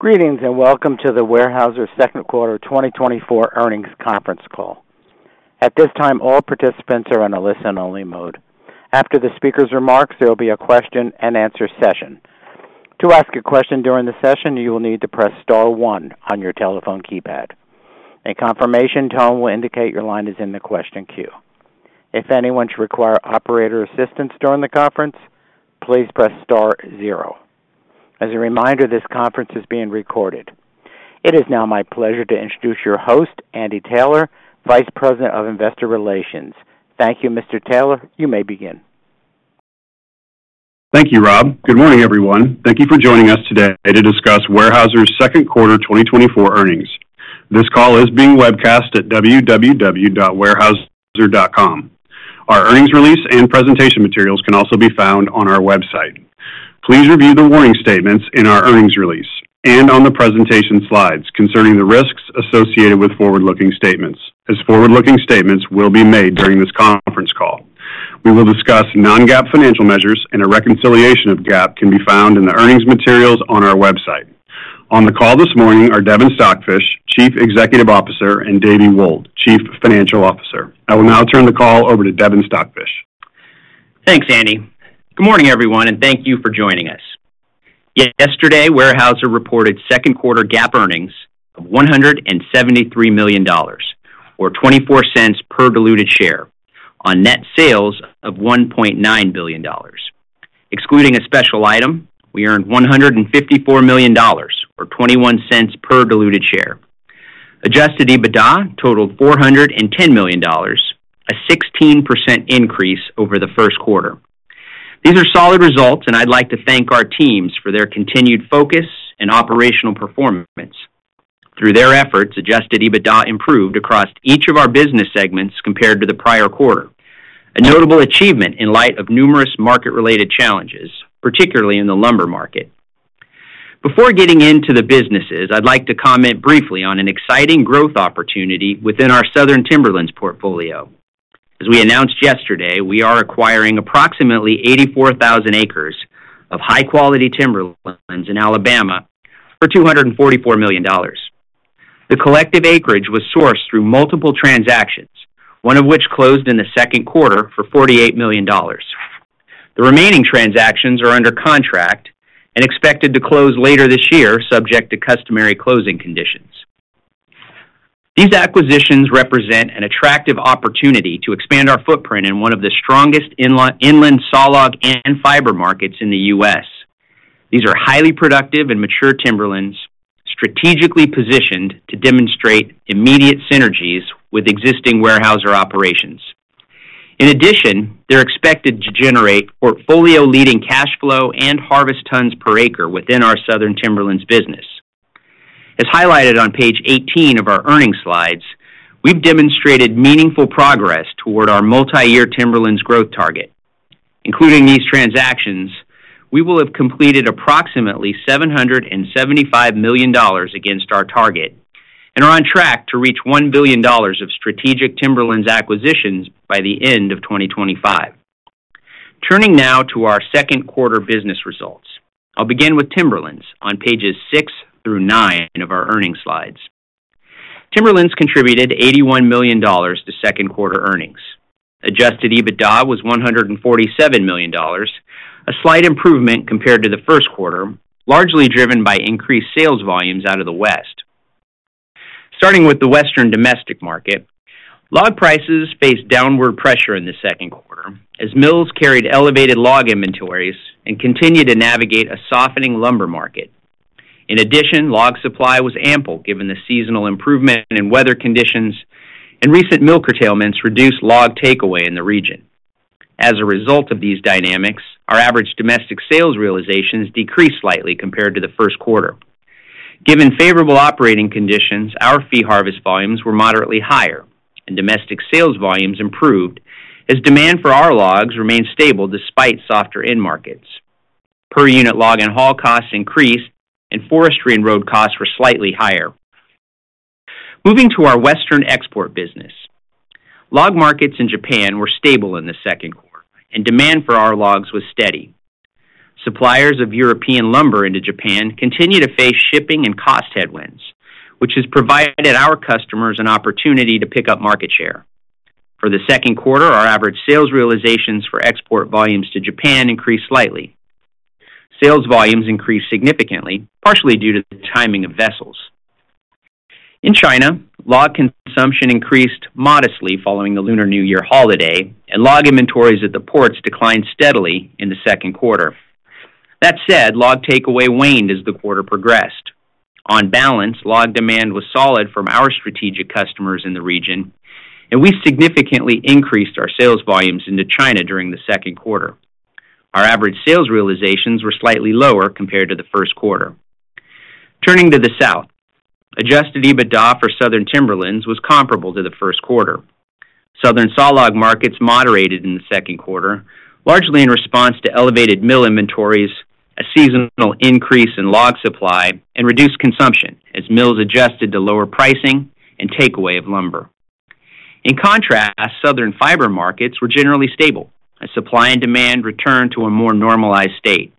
Greetings and welcome to the Weyerhaeuser Second Quarter 2024 Earnings Conference Call. At this time, all participants are on a listen-only mode. After the speaker's remarks, there will be a question-and-answer session. To ask a question during the session, you will need to press star one on your telephone keypad. A confirmation tone will indicate your line is in the question queue. If anyone should require operator assistance during the conference, please press star zero. As a reminder, this conference is being recorded. It is now my pleasure to introduce your host, Andy Taylor, Vice President of Investor Relations. Thank you, Mr. Taylor. You may begin. Thank you, Rob. Good morning, everyone. Thank you for joining us today to discuss Weyerhaeuser's Second Quarter 2024 earnings. This call is being webcast at www.weyerhaeuser.com. Our earnings release and presentation materials can also be found on our website. Please review the warning statements in our earnings release and on the presentation slides concerning the risks associated with forward-looking statements, as forward-looking statements will be made during this conference call. We will discuss non-GAAP financial measures and a reconciliation of GAAP can be found in the earnings materials on our website. On the call this morning are Devin Stockfish, Chief Executive Officer, and David Wold, Chief Financial Officer. I will now turn the call over to Devin Stockfish. Thanks, Andy. Good morning, everyone, and thank you for joining us. Yesterday, Weyerhaeuser reported second quarter GAAP earnings of $173 million, or $0.24 per diluted share, on net sales of $1.9 billion. Excluding a special item, we earned $154 million, or $0.21 per diluted share. Adjusted EBITDA totaled $410 million, a 16% increase over the first quarter. These are solid results, and I'd like to thank our teams for their continued focus and operational performance. Through their efforts, adjusted EBITDA improved across each of our business segments compared to the prior quarter, a notable achievement in light of numerous market-related challenges, particularly in the lumber market. Before getting into the businesses, I'd like to comment briefly on an exciting growth opportunity within our Southern Timberlands portfolio. As we announced yesterday, we are acquiring approximately 84,000 acres of high-quality timberlands in Alabama for $244 million. The collective acreage was sourced through multiple transactions, one of which closed in the second quarter for $48 million. The remaining transactions are under contract and expected to close later this year, subject to customary closing conditions. These acquisitions represent an attractive opportunity to expand our footprint in one of the strongest inland saw log and fiber markets in the U.S. These are highly productive and mature timberlands, strategically positioned to demonstrate immediate synergies with existing Weyerhaeuser operations. In addition, they're expected to generate portfolio-leading cash flow and harvest tons per acre within our Southern Timberlands business. As highlighted on page 18 of our earnings slides, we've demonstrated meaningful progress toward our multi-year timberlands growth target. Including these transactions, we will have completed approximately $775 million against our target and are on track to reach $1 billion of strategic timberlands acquisitions by the end of 2025. Turning now to our second quarter business results, I'll begin with Timberlands on pages six through nine of our earnings slides. Timberlands contributed $81 million to second quarter earnings. Adjusted EBITDA was $147 million, a slight improvement compared to the first quarter, largely driven by increased sales volumes out of the West. Starting with the western domestic market, log prices faced downward pressure in the second quarter as mills carried elevated log inventories and continued to navigate a softening lumber market. In addition, log supply was ample given the seasonal improvement in weather conditions and recent mill curtailments reduced log takeaway in the region. As a result of these dynamics, our average domestic sales realizations decreased slightly compared to the first quarter. Given favorable operating conditions, our fee harvest volumes were moderately higher, and domestic sales volumes improved as demand for our logs remained stable despite softer end markets. Per unit log and haul costs increased, and forestry and road costs were slightly higher. Moving to our western export business, log markets in Japan were stable in the second quarter, and demand for our logs was steady. Suppliers of European lumber into Japan continue to face shipping and cost headwinds, which has provided our customers an opportunity to pick up market share. For the second quarter, our average sales realizations for export volumes to Japan increased slightly. Sales volumes increased significantly, partially due to the timing of vessels. In China, log consumption increased modestly following the Lunar New Year holiday, and log inventories at the ports declined steadily in the second quarter. That said, log takeaway waned as the quarter progressed. On balance, log demand was solid from our strategic customers in the region, and we significantly increased our sales volumes into China during the second quarter. Our average sales realizations were slightly lower compared to the first quarter. Turning to the South, Adjusted EBITDA for Southern Timberlands was comparable to the first quarter. Southern saw log markets moderated in the second quarter, largely in response to elevated mill inventories, a seasonal increase in log supply, and reduced consumption as mills adjusted to lower pricing and takeaway of lumber. In contrast, Southern fiber markets were generally stable, as supply and demand returned to a more normalized state.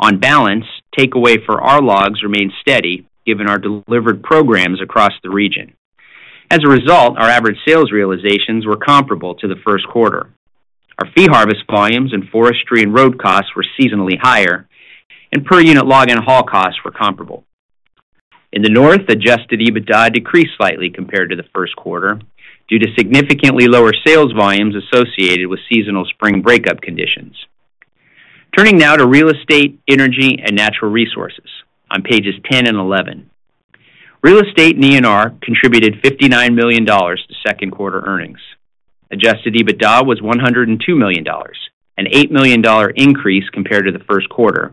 On balance, takeaway for our logs remained steady given our delivered programs across the region. As a result, our average sales realizations were comparable to the first quarter. Our fee harvest volumes and forestry and road costs were seasonally higher, and per unit log and haul costs were comparable. In the North, Adjusted EBITDA decreased slightly compared to the first quarter due to significantly lower sales volumes associated with seasonal Spring Breakup conditions. Turning now to Real Estate, Energy, and Natural Resources on pages 10 and 11, Real Estate and ENR contributed $59 million to second quarter earnings. Adjusted EBITDA was $102 million, an $8 million increase compared to the first quarter,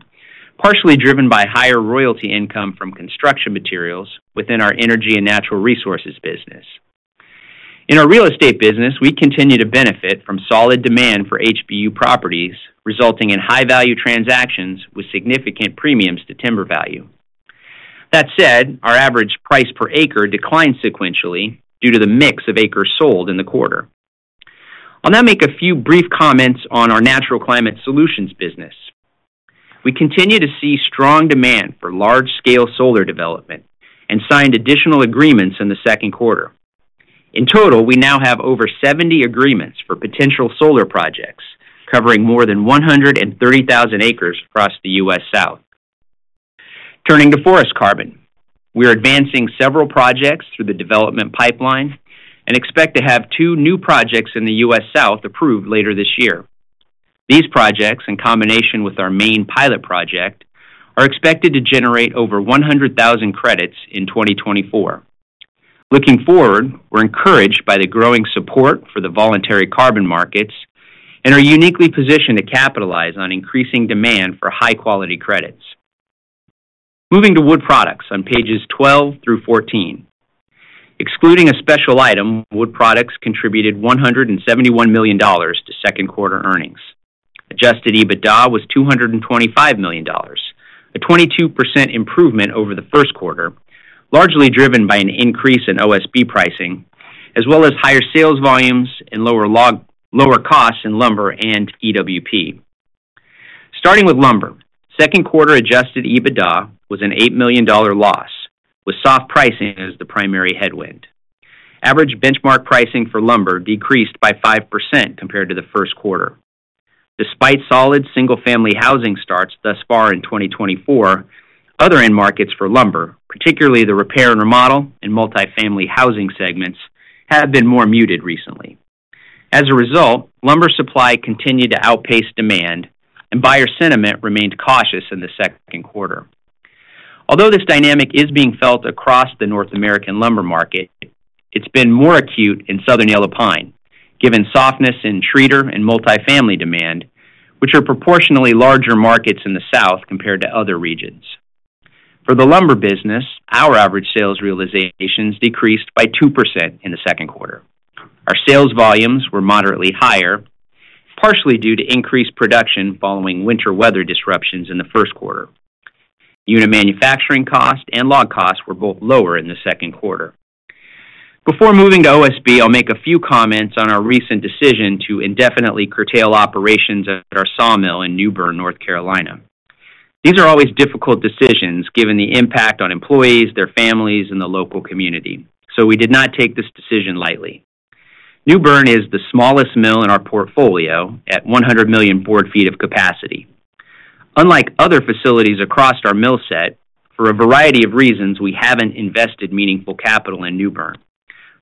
partially driven by higher royalty income from construction materials within our energy and natural resources business. In our real estate business, we continue to benefit from solid demand for HBU properties, resulting in high-value transactions with significant premiums to timber value. That said, our average price per acre declined sequentially due to the mix of acres sold in the quarter. I'll now make a few brief comments on our Natural Climate Solutions business. We continue to see strong demand for large-scale solar development and signed additional agreements in the second quarter. In total, we now have over 70 agreements for potential solar projects covering more than 130,000 acres across the U.S. South. Turning to forest carbon, we are advancing several projects through the development pipeline and expect to have two new projects in the U.S. South approved later this year. These projects, in combination with our main pilot project, are expected to generate over 100,000 credits in 2024. Looking forward, we're encouraged by the growing support for the voluntary carbon markets and are uniquely positioned to capitalize on increasing demand for high-quality credits. Moving to Wood Products on pages 12 through 14, excluding a special item, Wood Products contributed $171 million to second quarter earnings. Adjusted EBITDA was $225 million, a 22% improvement over the first quarter, largely driven by an increase in OSB pricing, as well as higher sales volumes and lower costs in lumber and EWP. Starting with lumber, second quarter adjusted EBITDA was an $8 million loss, with soft pricing as the primary headwind. Average benchmark pricing for lumber decreased by 5% compared to the first quarter. Despite solid single-family housing starts thus far in 2024, other end markets for lumber, particularly the repair and remodel and multi-family housing segments, have been more muted recently. As a result, lumber supply continued to outpace demand, and buyer sentiment remained cautious in the second quarter. Although this dynamic is being felt across the North American lumber market, it's been more acute in Southern Yellow Pine, given softness in treater and multi-family demand, which are proportionally larger markets in the South compared to other regions. For the lumber business, our average sales realizations decreased by 2% in the second quarter. Our sales volumes were moderately higher, partially due to increased production following winter weather disruptions in the first quarter. Unit manufacturing costs and log costs were both lower in the second quarter. Before moving to OSB, I'll make a few comments on our recent decision to indefinitely curtail operations at our sawmill in New Bern, North Carolina. These are always difficult decisions given the impact on employees, their families, and the local community, so we did not take this decision lightly. New Bern is the smallest mill in our portfolio at 100 million board feet of capacity. Unlike other facilities across our mill set, for a variety of reasons, we haven't invested meaningful capital in New Bern,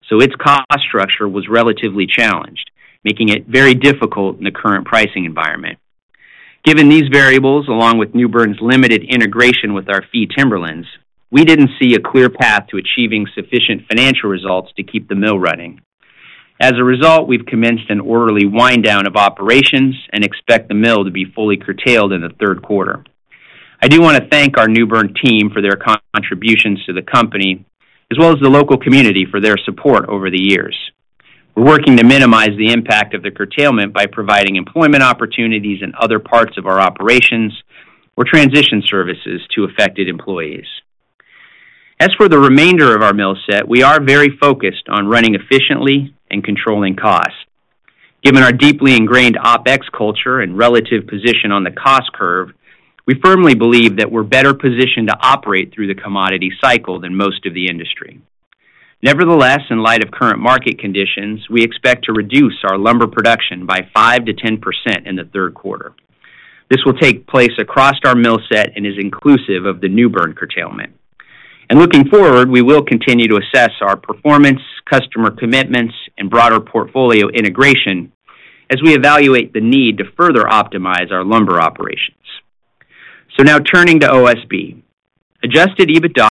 so its cost structure was relatively challenged, making it very difficult in the current pricing environment. Given these variables, along with New Bern's limited integration with our fee timberlands, we didn't see a clear path to achieving sufficient financial results to keep the mill running. As a result, we've commenced an orderly wind down of operations and expect the mill to be fully curtailed in the third quarter. I do want to thank our New Bern team for their contributions to the company, as well as the local community for their support over the years. We're working to minimize the impact of the curtailment by providing employment opportunities in other parts of our operations or transition services to affected employees. As for the remainder of our mill set, we are very focused on running efficiently and controlling costs. Given our deeply ingrained OpEx culture and relative position on the cost curve, we firmly believe that we're better positioned to operate through the commodity cycle than most of the industry. Nevertheless, in light of current market conditions, we expect to reduce our lumber production by 5% to 10% in the third quarter. This will take place across our mill set and is inclusive of the New Bern curtailment. Looking forward, we will continue to assess our performance, customer commitments, and broader portfolio integration as we evaluate the need to further optimize our lumber operations. Now turning to OSB, adjusted EBITDA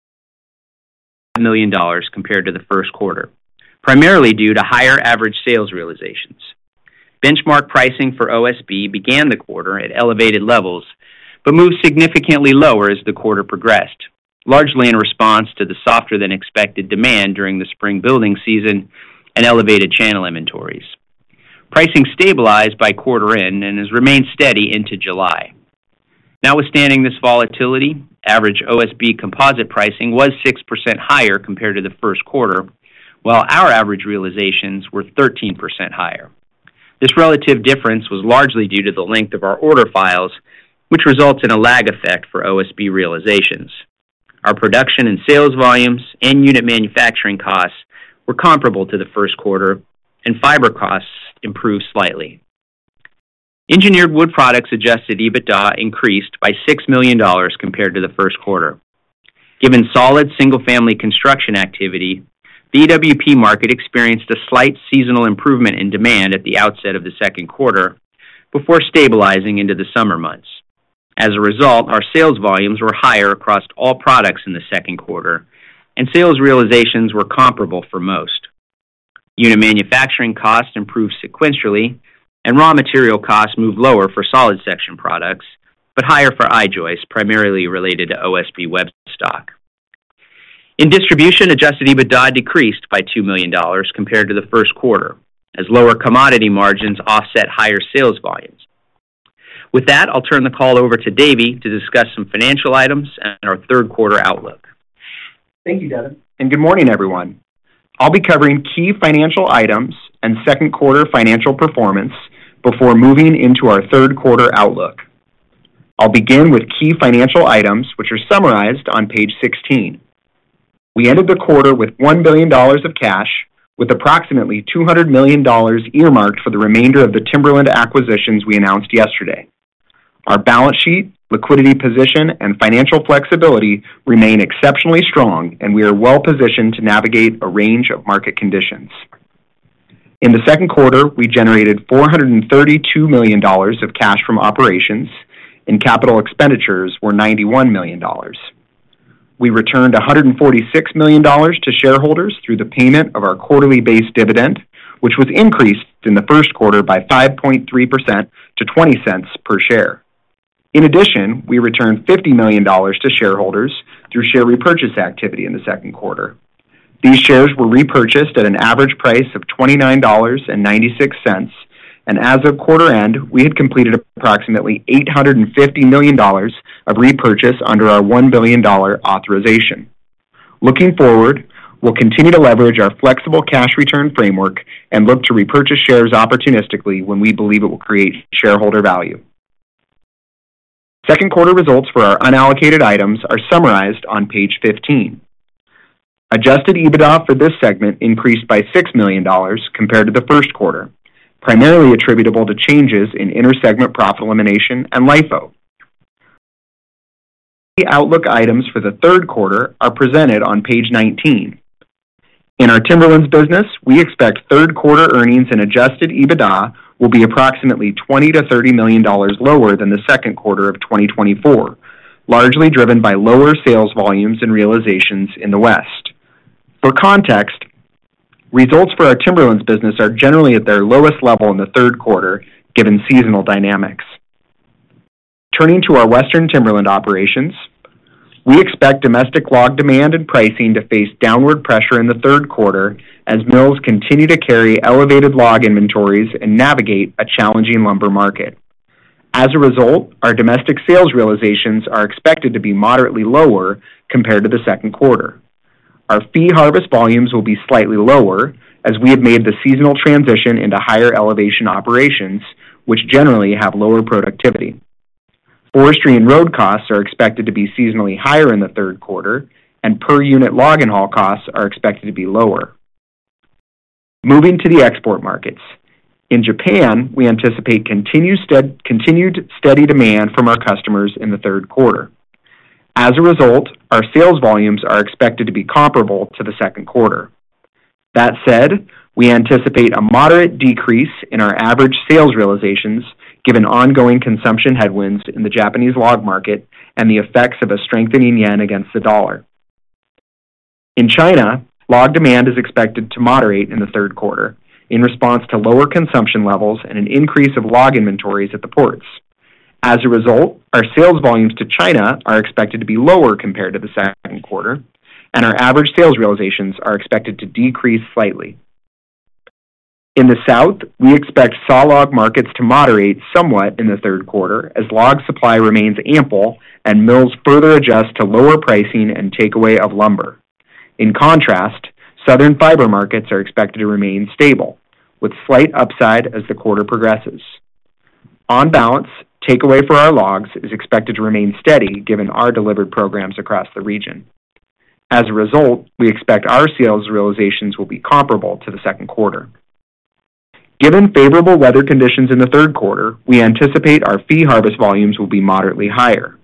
was $1 million compared to the first quarter, primarily due to higher average sales realizations. Benchmark pricing for OSB began the quarter at elevated levels but moved significantly lower as the quarter progressed, largely in response to the softer-than-expected demand during the spring building season and elevated channel inventories. Pricing stabilized by quarter end and has remained steady into July. Notwithstanding this volatility, average OSB composite pricing was 6% higher compared to the first quarter, while our average realizations were 13% higher. This relative difference was largely due to the length of our order files, which results in a lag effect for OSB realizations. Our production and sales volumes and unit manufacturing costs were comparable to the first quarter, and fiber costs improved slightly. Engineered Wood Products Adjusted EBITDA increased by $6 million compared to the first quarter. Given solid single-family construction activity, the EWP market experienced a slight seasonal improvement in demand at the outset of the second quarter before stabilizing into the summer months. As a result, our sales volumes were higher across all products in the second quarter, and sales realizations were comparable for most. Unit manufacturing costs improved sequentially, and raw material costs moved lower for solid section products but higher for I-joists, primarily related to OSB web stock. In distribution, Adjusted EBITDA decreased by $2 million compared to the first quarter, as lower commodity margins offset higher sales volumes. With that, I'll turn the call over to Davey to discuss some financial items and our third quarter outlook. Thank you, Devin. Good morning, everyone. I'll be covering key financial items and second quarter financial performance before moving into our third quarter outlook. I'll begin with key financial items, which are summarized on page 16. We ended the quarter with $1 billion of cash, with approximately $200 million earmarked for the remainder of the timberland acquisitions we announced yesterday. Our balance sheet, liquidity position, and financial flexibility remain exceptionally strong, and we are well positioned to navigate a range of market conditions. In the second quarter, we generated $432 million of cash from operations, and capital expenditures were $91 million. We returned $146 million to shareholders through the payment of our quarterly base dividend, which was increased in the first quarter by 5.3% to $0.20 per share. In addition, we returned $50 million to shareholders through share repurchase activity in the second quarter. These shares were repurchased at an average price of $29.96, and as of quarter end, we had completed approximately $850 million of repurchase under our $1 billion authorization. Looking forward, we'll continue to leverage our flexible cash return framework and look to repurchase shares opportunistically when we believe it will create shareholder value. Second quarter results for our unallocated items are summarized on page 15. Adjusted EBITDA for this segment increased by $6 million compared to the first quarter, primarily attributable to changes in intersegment profit elimination and LIFO. The outlook items for the third quarter are presented on page 19. In our Timberlands business, we expect third quarter earnings and Adjusted EBITDA will be approximately $20 million to $30 million lower than the second quarter of 2024, largely driven by lower sales volumes and realizations in the West. For context, results for our Timberlands business are generally at their lowest level in the third quarter, given seasonal dynamics. Turning to our Western Timberlands operations, we expect domestic log demand and pricing to face downward pressure in the third quarter as mills continue to carry elevated log inventories and navigate a challenging lumber market. As a result, our domestic sales realizations are expected to be moderately lower compared to the second quarter. Our fee harvest volumes will be slightly lower as we have made the seasonal transition into higher elevation operations, which generally have lower productivity. Forestry and road costs are expected to be seasonally higher in the third quarter, and per unit log and haul costs are expected to be lower. Moving to the export markets. In Japan, we anticipate continued steady demand from our customers in the third quarter. As a result, our sales volumes are expected to be comparable to the second quarter. That said, we anticipate a moderate decrease in our average sales realizations given ongoing consumption headwinds in the Japanese log market and the effects of a strengthening yen against the dollar. In China, log demand is expected to moderate in the third quarter in response to lower consumption levels and an increase of log inventories at the ports. As a result, our sales volumes to China are expected to be lower compared to the second quarter, and our average sales realizations are expected to decrease slightly. In the South, we expect saw log markets to moderate somewhat in the third quarter as log supply remains ample and mills further adjust to lower pricing and takeaway of lumber. In contrast, Southern fiber markets are expected to remain stable, with slight upside as the quarter progresses. On balance, takeaway for our logs is expected to remain steady given our delivered programs across the region. As a result, we expect our sales realizations will be comparable to the second quarter. Given favorable weather conditions in the third quarter, we anticipate our fee harvest volumes will be moderately higher.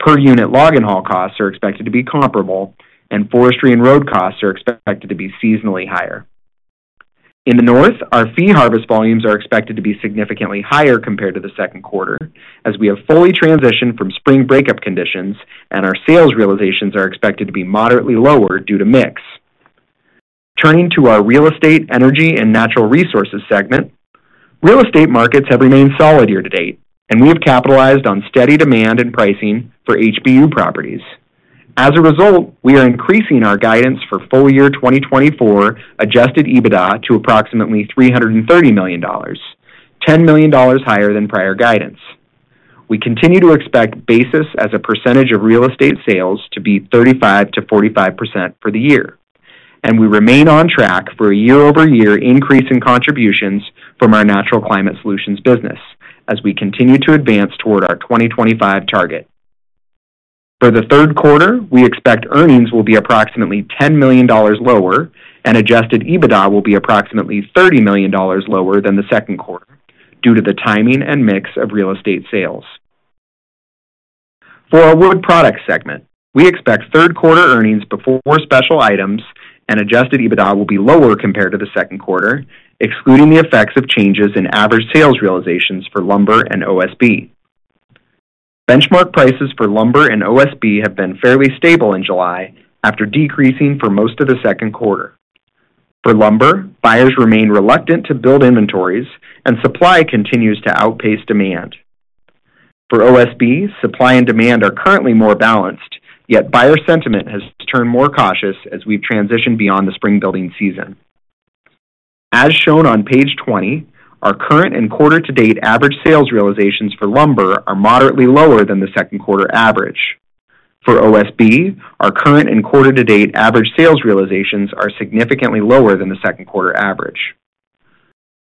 Per unit log and haul costs are expected to be comparable, and forestry and road costs are expected to be seasonally higher. In the North, our fee harvest volumes are expected to be significantly higher compared to the second quarter as we have fully transitioned from Spring Breakup conditions, and our sales realizations are expected to be moderately lower due to mix. Turning to our Real Estate, Energy, and Natural Resources segment, real estate markets have remained solid year to date, and we have capitalized on steady demand and pricing for HBU properties. As a result, we are increasing our guidance for full year 2024 Adjusted EBITDA to approximately $330 million, $10 million higher than prior guidance. We continue to expect basis as a percentage of real estate sales to be 35% to 45% for the year, and we remain on track for a year-over-year increase in contributions from our Natural Climate Solutions business as we continue to advance toward our 2025 target. For the third quarter, we expect earnings will be approximately $10 million lower, and Adjusted EBITDA will be approximately $30 million lower than the second quarter due to the timing and mix of real estate sales. For our Wood Products segment, we expect third quarter earnings before special items, and Adjusted EBITDA will be lower compared to the second quarter, excluding the effects of changes in average sales realizations for lumber and OSB. Benchmark prices for lumber and OSB have been fairly stable in July after decreasing for most of the second quarter. For lumber, buyers remain reluctant to build inventories, and supply continues to outpace demand. For OSB, supply and demand are currently more balanced, yet buyer sentiment has turned more cautious as we've transitioned beyond the spring building season. As shown on page 20, our current and quarter-to-date average sales realizations for lumber are moderately lower than the second quarter average. For OSB, our current and quarter-to-date average sales realizations are significantly lower than the second quarter average.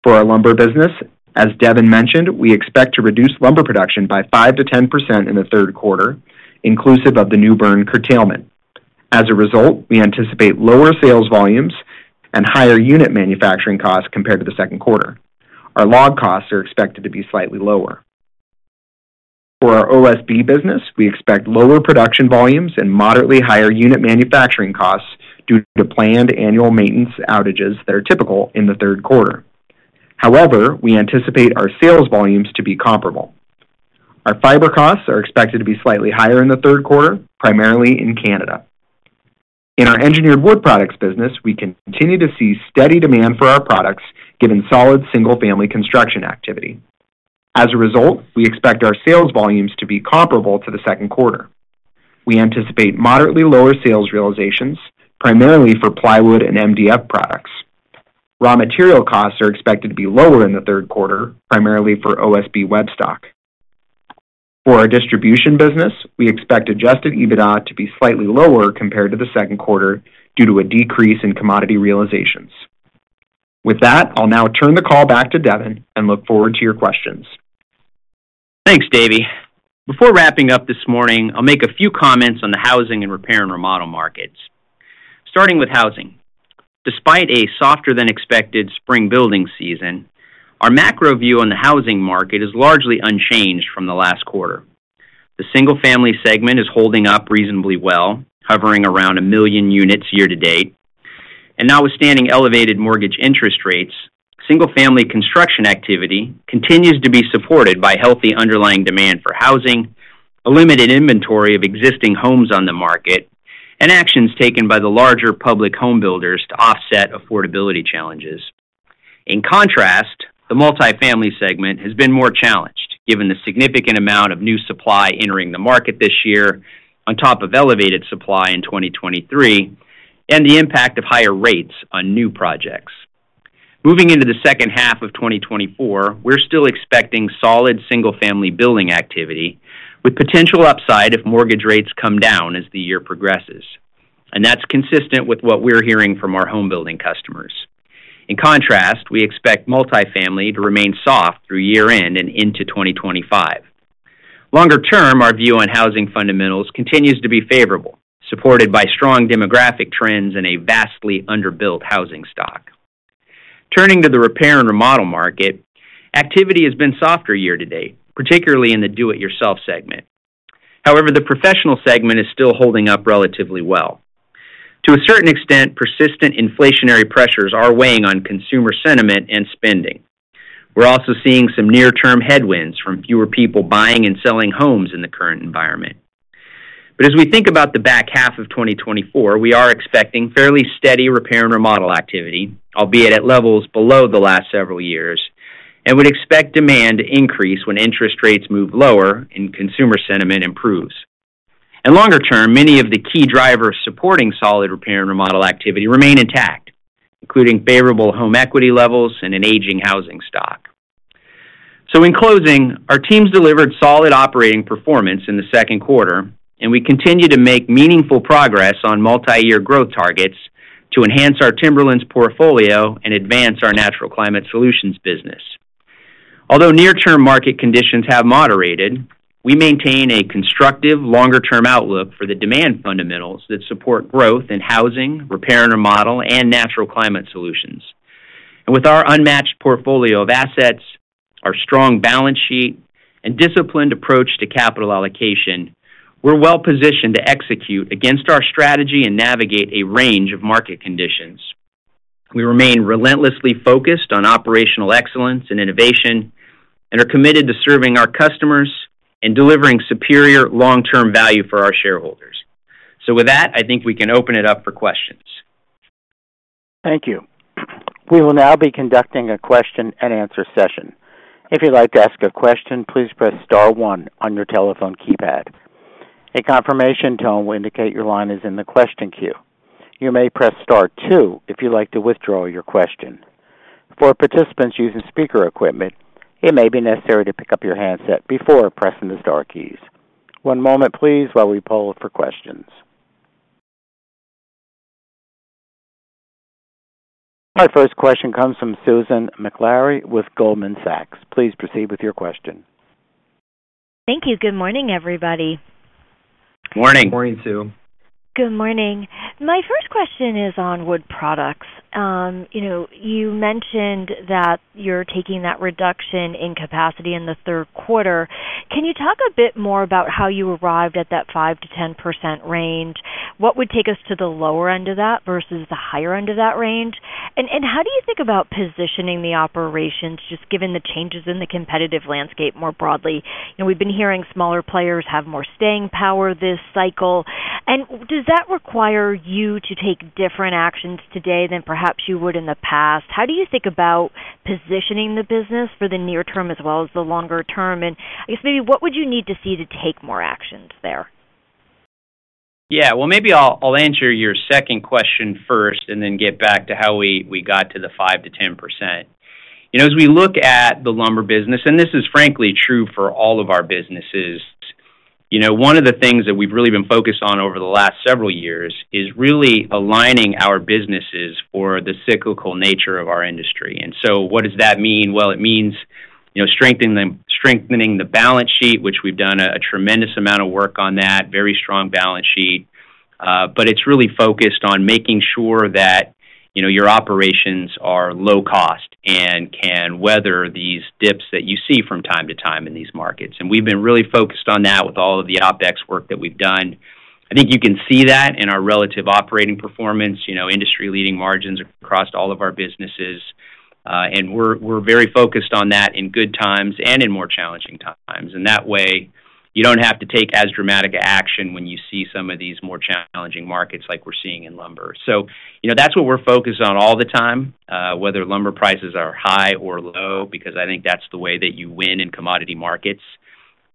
For our lumber business, as Devin mentioned, we expect to reduce lumber production by 5% to 10% in the third quarter, inclusive of the New Bern curtailment. As a result, we anticipate lower sales volumes and higher unit manufacturing costs compared to the second quarter. Our log costs are expected to be slightly lower. For our OSB business, we expect lower production volumes and moderately higher unit manufacturing costs due to planned annual maintenance outages that are typical in the third quarter. However, we anticipate our sales volumes to be comparable. Our fiber costs are expected to be slightly higher in the third quarter, primarily in Canada. In our engineered Wood Products business, we continue to see steady demand for our products given solid single-family construction activity. As a result, we expect our sales volumes to be comparable to the second quarter. We anticipate moderately lower sales realizations, primarily for plywood and MDF products. Raw material costs are expected to be lower in the third quarter, primarily for OSB web stock. For our distribution business, we expect Adjusted EBITDA to be slightly lower compared to the second quarter due to a decrease in commodity realizations. With that, I'll now turn the call back to Devin and look forward to your questions. Thanks, Davey. Before wrapping up this morning, I'll make a few comments on the housing and repair and remodel markets. Starting with housing, despite a softer-than-expected spring building season, our macro view on the housing market is largely unchanged from the last quarter. The single-family segment is holding up reasonably well, hovering around a million units year to date. Notwithstanding elevated mortgage interest rates, single-family construction activity continues to be supported by healthy underlying demand for housing, a limited inventory of existing homes on the market, and actions taken by the larger public homebuilders to offset affordability challenges. In contrast, the multi-family segment has been more challenged given the significant amount of new supply entering the market this year on top of elevated supply in 2023 and the impact of higher rates on new projects. Moving into the second half of 2024, we're still expecting solid single-family building activity with potential upside if mortgage rates come down as the year progresses, and that's consistent with what we're hearing from our homebuilding customers. In contrast, we expect multi-family to remain soft through year-end and into 2025. Longer term, our view on housing fundamentals continues to be favorable, supported by strong demographic trends and a vastly underbuilt housing stock. Turning to the repair and remodel market, activity has been softer year to date, particularly in the do-it-yourself segment. However, the professional segment is still holding up relatively well. To a certain extent, persistent inflationary pressures are weighing on consumer sentiment and spending. We're also seeing some near-term headwinds from fewer people buying and selling homes in the current environment. But as we think about the back half of 2024, we are expecting fairly steady repair and remodel activity, albeit at levels below the last several years, and would expect demand to increase when interest rates move lower and consumer sentiment improves. And longer term, many of the key drivers supporting solid repair and remodel activity remain intact, including favorable home equity levels and an aging housing stock. So in closing, our teams delivered solid operating performance in the second quarter, and we continue to make meaningful progress on multi-year growth targets to enhance our timberlands portfolio and advance our Natural Climate Solutions business. Although near-term market conditions have moderated, we maintain a constructive longer-term outlook for the demand fundamentals that support growth in housing, repair and remodel, and Natural Climate Solutions. With our unmatched portfolio of assets, our strong balance sheet, and disciplined approach to capital allocation, we're well positioned to execute against our strategy and navigate a range of market conditions. We remain relentlessly focused on operational excellence and innovation and are committed to serving our customers and delivering superior long-term value for our shareholders. With that, I think we can open it up for questions. Thank you. We will now be conducting a question-and-answer session. If you'd like to ask a question, please press star one on your telephone keypad. A confirmation tone will indicate your line is in the question queue. You may press star two if you'd like to withdraw your question. For participants using speaker equipment, it may be necessary to pick up your handset before pressing the star keys. One moment, please, while we poll for questions. My first question comes from Susan Maklari with Goldman Sachs. Please proceed with your question. Thank you. Good morning, everybody. Morning. Morning, Sue. Good morning. My first question is on Wood Products. You mentioned that you're taking that reduction in capacity in the third quarter. Can you talk a bit more about how you arrived at that 5%-10% range? What would take us to the lower end of that versus the higher end of that range? And how do you think about positioning the operations just given the changes in the competitive landscape more broadly? We've been hearing smaller players have more staying power this cycle. And does that require you to take different actions today than perhaps you would in the past? How do you think about positioning the business for the near term as well as the longer term? And I guess maybe what would you need to see to take more actions there? Yeah. Well, maybe I'll answer your second question first and then get back to how we got to the 5% to 10%. As we look at the lumber business, and this is frankly true for all of our businesses, one of the things that we've really been focused on over the last several years is really aligning our businesses for the cyclical nature of our industry. And so what does that mean? Well, it means strengthening the balance sheet, which we've done a tremendous amount of work on that, very strong balance sheet. But it's really focused on making sure that your operations are low-cost and can weather these dips that you see from time to time in these markets. And we've been really focused on that with all of the OpEx work that we've done. I think you can see that in our relative operating performance, industry-leading margins across all of our businesses. And we're very focused on that in good times and in more challenging times. And that way, you don't have to take as dramatic action when you see some of these more challenging markets like we're seeing in lumber. So that's what we're focused on all the time, whether lumber prices are high or low, because I think that's the way that you win in commodity markets.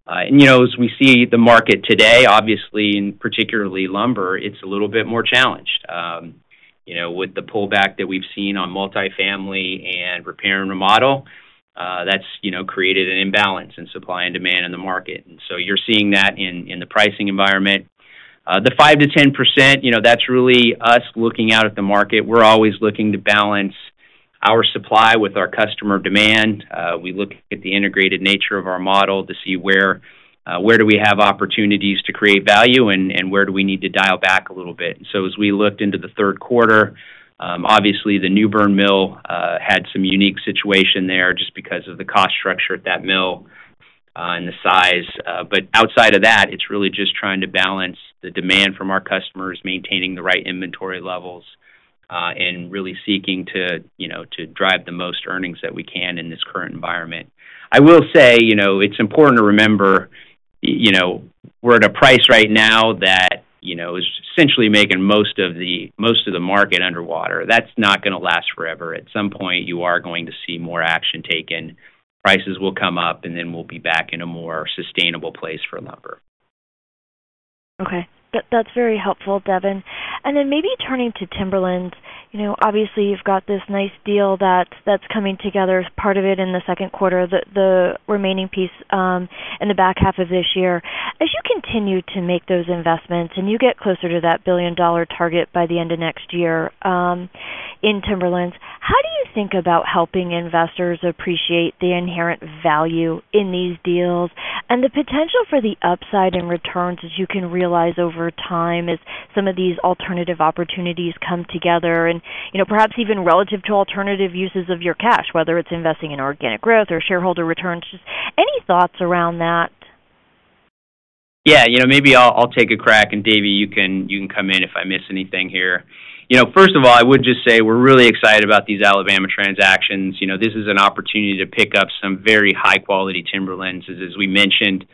And as we see the market today, obviously, and particularly lumber, it's a little bit more challenged. With the pullback that we've seen on multi-family and Repair and Remodel, that's created an imbalance in supply and demand in the market. And so you're seeing that in the pricing environment. The 5% to 10%, that's really us looking out at the market. We're always looking to balance our supply with our customer demand. We look at the integrated nature of our model to see where do we have opportunities to create value and where do we need to dial back a little bit. And so as we looked into the third quarter, obviously, the New Bern mill had some unique situation there just because of the cost structure at that mill and the size. But outside of that, it's really just trying to balance the demand from our customers, maintaining the right inventory levels, and really seeking to drive the most earnings that we can in this current environment. I will say it's important to remember we're at a price right now that is essentially making most of the market underwater. That's not going to last forever. At some point, you are going to see more action taken. Prices will come up, and then we'll be back in a more sustainable place for lumber. Okay. That's very helpful, Devin. And then maybe turning to timberlands, obviously, you've got this nice deal that's coming together as part of it in the second quarter, the remaining piece in the back half of this year. As you continue to make those investments and you get closer to that $1 billion target by the end of next year in timberlands, how do you think about helping investors appreciate the inherent value in these deals and the potential for the upside and returns that you can realize over time as some of these alternative opportunities come together and perhaps even relative to alternative uses of your cash, whether it's investing in organic growth or shareholder returns? Just any thoughts around that? Yeah. Maybe I'll take a crack, and Davey, you can come in if I miss anything here. First of all, I would just say we're really excited about these Alabama transactions. This is an opportunity to pick up some very high-quality timberlands. As we mentioned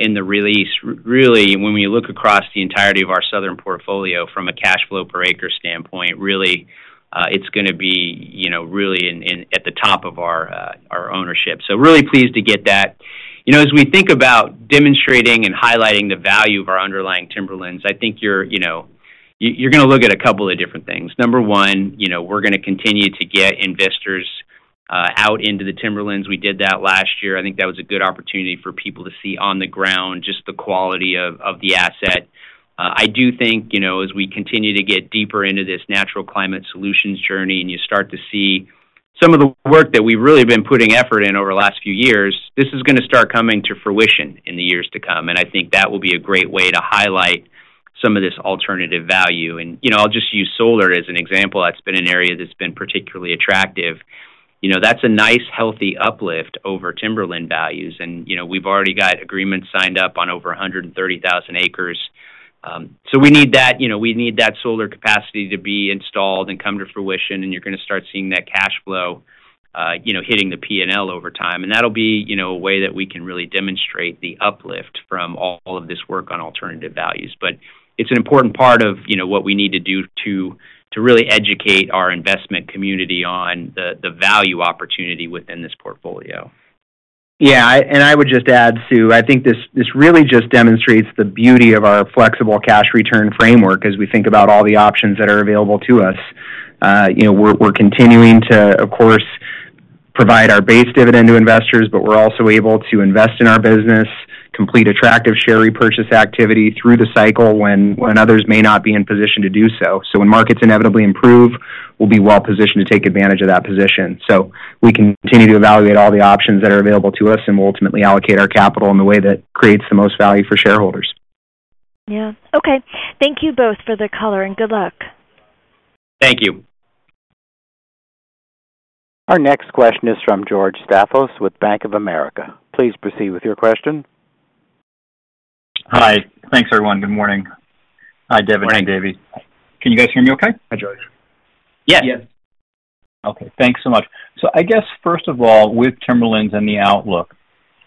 in the release, really, when we look across the entirety of our southern portfolio from a cash flow per acre standpoint, really, it's going to be really at the top of our ownership. So really pleased to get that. As we think about demonstrating and highlighting the value of our underlying timberlands, I think you're going to look at a couple of different things. Number one, we're going to continue to get investors out into the timberlands. We did that last year. I think that was a good opportunity for people to see on the ground just the quality of the asset. I do think as we continue to get deeper into this Natural Climate Solutions journey and you start to see some of the work that we've really been putting effort in over the last few years, this is going to start coming to fruition in the years to come. I think that will be a great way to highlight some of this alternative value. I'll just use solar as an example. That's been an area that's been particularly attractive. That's a nice, healthy uplift over timberland values. We've already got agreements signed up on over 130,000 acres. We need that solar capacity to be installed and come to fruition, and you're going to start seeing that cash flow hitting the P&L over time. That'll be a way that we can really demonstrate the uplift from all of this work on alternative values. But it's an important part of what we need to do to really educate our investment community on the value opportunity within this portfolio. Yeah. And I would just add, Sue, I think this really just demonstrates the beauty of our flexible cash return framework as we think about all the options that are available to us. We're continuing to, of course, provide our base dividend to investors, but we're also able to invest in our business, complete attractive share repurchase activity through the cycle when others may not be in position to do so. So when markets inevitably improve, we'll be well positioned to take advantage of that position. So we continue to evaluate all the options that are available to us and will ultimately allocate our capital in the way that creates the most value for shareholders. Yeah. Okay. Thank you both for the color, and good luck. Thank you. Our next question is from George Staphos with Bank of America. Please proceed with your question. Hi. Thanks, everyone. Good morning. Hi, Devin and Davey. Can you guys hear me okay? Hi, George. Yes. Yes. Okay. Thanks so much. So I guess, first of all, with timberlands and the outlook,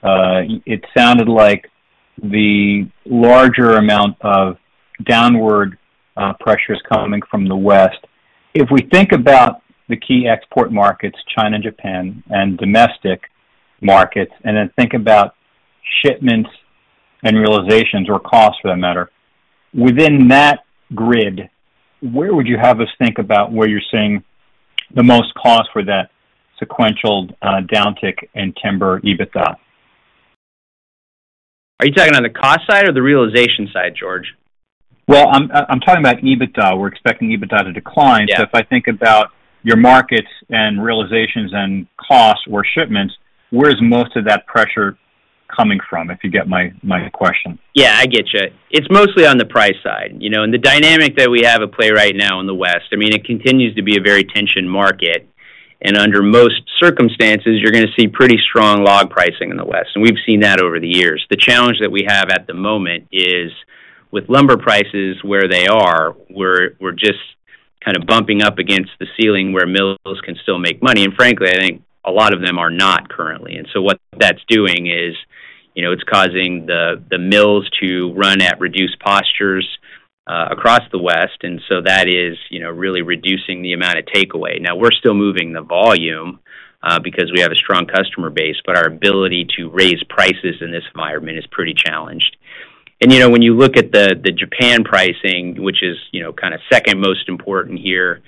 it sounded like the larger amount of downward pressure is coming from the west. If we think about the key export markets, China and Japan, and domestic markets, and then think about shipments and realizations or costs for that matter, within that grid, where would you have us think about where you're seeing the most cost for that sequential downtick in timber EBITDA? Are you talking on the cost side or the realization side, George? Well, I'm talking about EBITDA. We're expecting EBITDA to decline. So if I think about your markets and realizations and costs or shipments, where's most of that pressure coming from, if you get my question? Yeah. I get you. It's mostly on the price side. And the dynamic that we have at play right now in the West, I mean, it continues to be a very tense market. And under most circumstances, you're going to see pretty strong log pricing in the West. And we've seen that over the years. The challenge that we have at the moment is with lumber prices where they are, we're just kind of bumping up against the ceiling where mills can still make money. And frankly, I think a lot of them are not currently. And so what that's doing is it's causing the mills to run at reduced rates across the West. And so that is really reducing the amount of takeaway. Now, we're still moving the volume because we have a strong customer base, but our ability to raise prices in this environment is pretty challenged. When you look at the Japan pricing, which is kind of second most important here,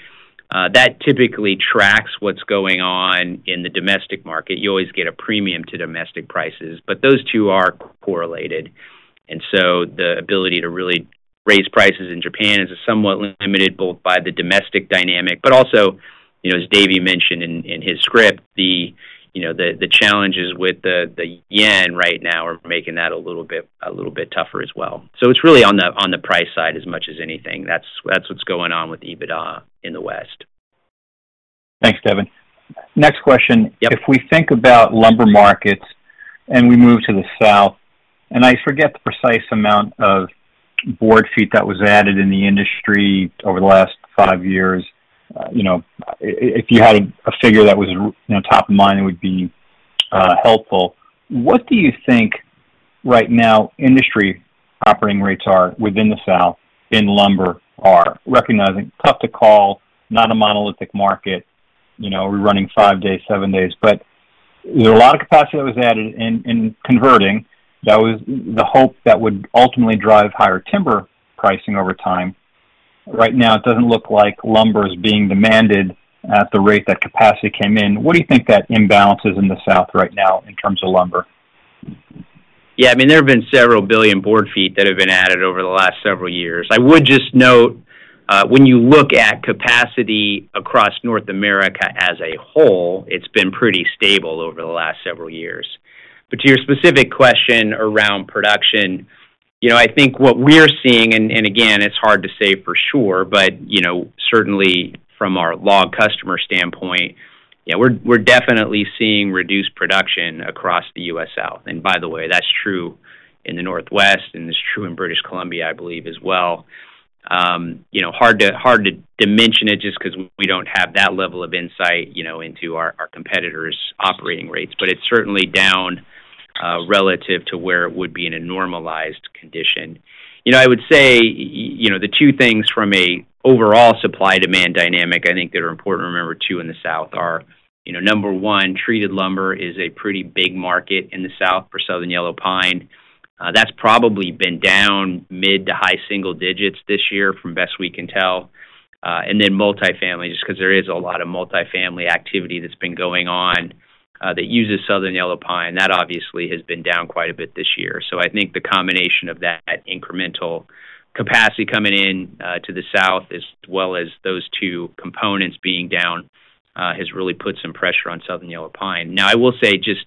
that typically tracks what's going on in the domestic market. You always get a premium to domestic prices. But those two are correlated. So the ability to really raise prices in Japan is somewhat limited both by the domestic dynamic, but also, as Davey mentioned in his script, the challenges with the Yen right now are making that a little bit tougher as well. It's really on the price side as much as anything. That's what's going on with EBITDA in the West. Thanks, Devin. Next question. If we think about lumber markets and we move to the south, and I forget the precise amount of board feet that was added in the industry over the last five years, if you had a figure that was top of mind, it would be helpful. What do you think right now industry operating rates are within the south in lumber? Recognizing tough to call, not a monolithic market, we're running five days, seven days. But there's a lot of capacity that was added in converting. That was the hope that would ultimately drive higher timber pricing over time. Right now, it doesn't look like lumber is being demanded at the rate that capacity came in. What do you think that imbalance is in the south right now in terms of lumber? Yeah. I mean, there have been several billion board feet that have been added over the last several years. I would just note when you look at capacity across North America as a whole, it's been pretty stable over the last several years. But to your specific question around production, I think what we're seeing, and again, it's hard to say for sure, but certainly from our log customer standpoint, yeah, we're definitely seeing reduced production across the U.S. South. And by the way, that's true in the Northwest, and it's true in British Columbia, I believe, as well. Hard to dimension it just because we don't have that level of insight into our competitors' operating rates. But it's certainly down relative to where it would be in a normalized condition. I would say the two things from an overall supply-demand dynamic, I think that are important to remember too in the south are, number one, treated lumber is a pretty big market in the south for Southern Yellow Pine. That's probably been down mid to high single digits this year from best we can tell. And then multifamily, just because there is a lot of multifamily activity that's been going on that uses Southern Yellow Pine. That obviously has been down quite a bit this year. So I think the combination of that incremental capacity coming into the south, as well as those two components being down, has really put some pressure on Southern Yellow Pine. Now, I will say just,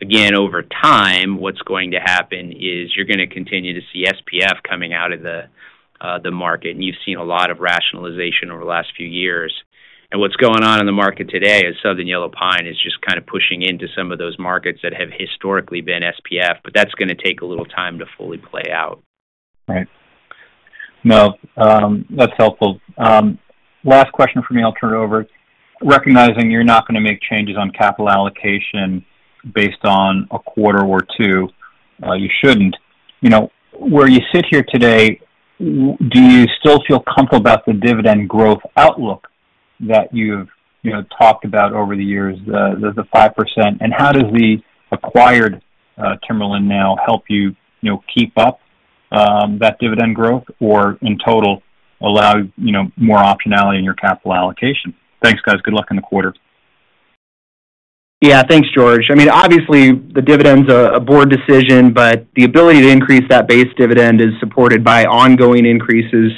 again, over time, what's going to happen is you're going to continue to see SPF coming out of the market. And you've seen a lot of rationalization over the last few years. And what's going on in the market today is Southern Yellow Pine is just kind of pushing into some of those markets that have historically been SPF, but that's going to take a little time to fully play out. Right. No, that's helpful. Last question for me. I'll turn it over. Recognizing you're not going to make changes on capital allocation based on a quarter or two, you shouldn't. Where you sit here today, do you still feel comfortable about the dividend growth outlook that you've talked about over the years, the 5%? And how does the acquired timberland now help you keep up that dividend growth or, in total, allow more optionality in your capital allocation? Thanks, guys. Good luck in the quarter. Yeah. Thanks, George. I mean, obviously, the dividend's a board decision, but the ability to increase that base dividend is supported by ongoing increases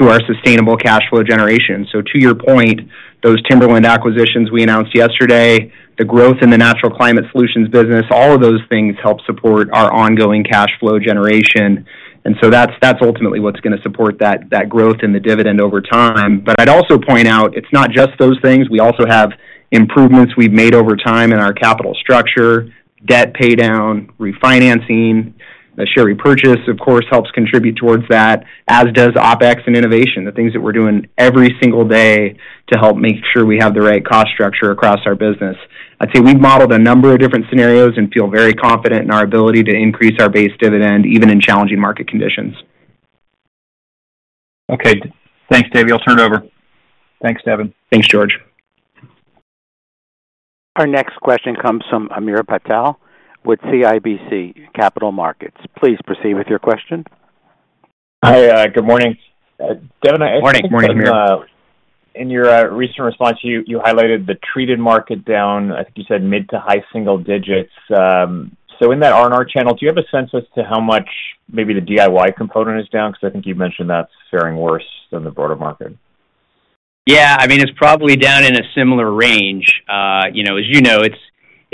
to our sustainable cash flow generation. So to your point, those timberland acquisitions we announced yesterday, the growth in the Natural Climate Solutions business, all of those things help support our ongoing cash flow generation. And so that's ultimately what's going to support that growth in the dividend over time. But I'd also point out it's not just those things. We also have improvements we've made over time in our capital structure, debt paydown, refinancing. The share repurchase, of course, helps contribute towards that, as does OpEx and innovation, the things that we're doing every single day to help make sure we have the right cost structure across our business. I'd say we've modeled a number of different scenarios and feel very confident in our ability to increase our base dividend, even in challenging market conditions. Okay. Thanks, Davey. I'll turn it over. Thanks, Devin. Thanks, George. Our next question comes from Hamir Patel with CIBC Capital Markets. Please proceed with your question. Hi. Good morning. Devin, I think. Morning. Morning, Hamir. In your recent response, you highlighted the treated market down, I think you said, mid to high single digits. So in that R&R channel, do you have a sense as to how much maybe the DIY component is down? Because I think you've mentioned that's faring worse than the broader market. Yeah. I mean, it's probably down in a similar range. As you know,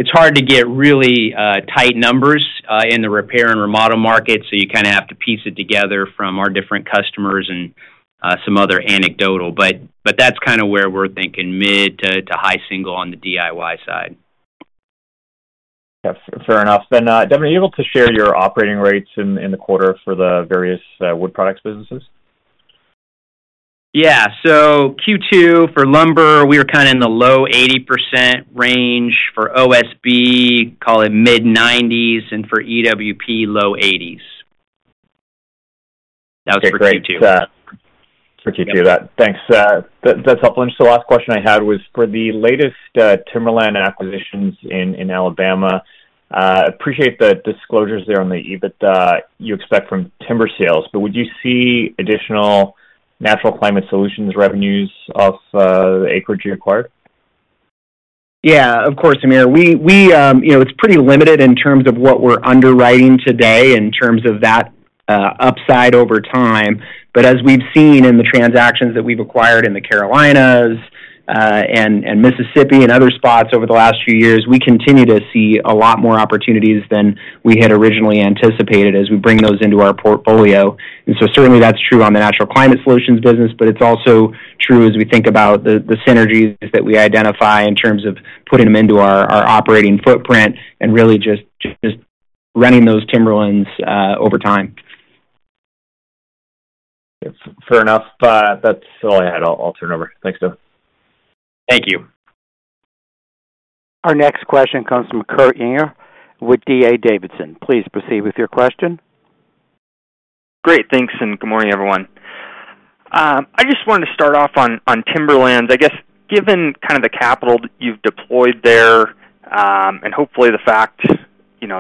it's hard to get really tight numbers in the repair and remodel market, so you kind of have to piece it together from our different customers and some other anecdotal. But that's kind of where we're thinking mid to high single on the DIY side. Yes. Fair enough. Then, Devin, are you able to share your operating rates in the quarter for the various Wood Products businesses? Yeah. So Q2 for lumber, we were kind of in the low 80% range for OSB, call it mid-90s, and for EWP, low 80s. That was for Q2. For Q2. Thanks. That's helpful. And just the last question I had was for the latest timberland acquisitions in Alabama. I appreciate the disclosures there on the EBITDA you expect from timber sales. But would you see additional Natural Climate Solutions revenues off the acreage you acquired? Yeah. Of course, Hamir. It's pretty limited in terms of what we're underwriting today in terms of that upside over time. But as we've seen in the transactions that we've acquired in the Carolinas and Mississippi and other spots over the last few years, we continue to see a lot more opportunities than we had originally anticipated as we bring those into our portfolio. And so certainly, that's true on the Natural Climate Solutions business, but it's also true as we think about the synergies that we identify in terms of putting them into our operating footprint and really just running those timberlands over time. Fair enough. That's all I had. I'll turn it over. Thanks, Dave. Thank you. Our next question comes from Kurt Yinger with D.A. Davidson. Please proceed with your question. Great. Thanks. And good morning, everyone. I just wanted to start off on timberlands. I guess, given kind of the capital you've deployed there and hopefully the fact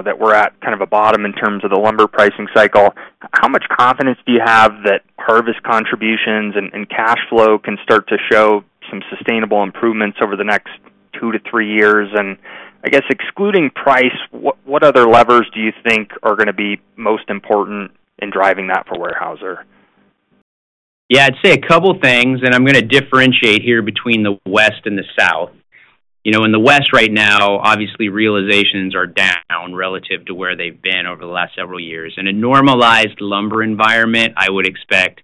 that we're at kind of a bottom in terms of the lumber pricing cycle, how much confidence do you have that harvest contributions and cash flow can start to show some sustainable improvements over the next two to three years? And I guess, excluding price, what other levers do you think are going to be most important in driving that for Weyerhaeuser? Yeah. I'd say a couple of things. And I'm going to differentiate here between the west and the south. In the west right now, obviously, realizations are down relative to where they've been over the last several years. In a normalized lumber environment, I would expect